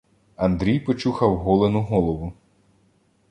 Андрій почухав голену голову.